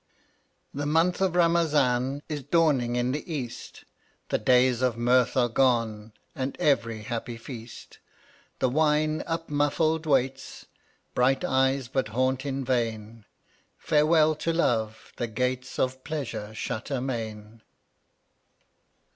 1 50 The month of Ramazan Is dawning in the east; The days of mirth are gone And every happy feast. The wine, upmuffled, waits; Bright eyes but haunt in vain. Farewell to love ; the gates Of Pleasure shut amain.